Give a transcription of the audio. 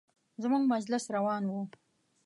زموږ مجلس روان و.